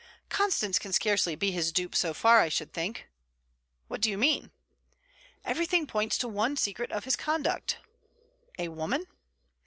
'Constance can scarcely be his dupe so far, I should think.' 'How do you mean?' 'Everything points to one secret of his conduct.' 'A woman?'